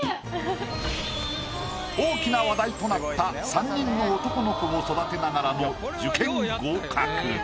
大きな話題となった３人の男の子を育てながらの受験合格。